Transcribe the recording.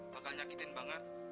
bakal nyakitin banget